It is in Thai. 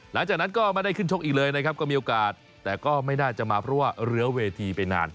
หลังจากนั้นก็ไม่ได้ขึ้นชกอีกเลยนะครับก็มีโอกาสแต่ก็ไม่น่าจะมาเพราะว่าเหลือเวทีไปนาน